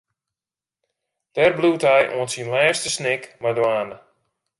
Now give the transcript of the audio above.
Dêr bliuwt hy oant syn lêste snik mei dwaande.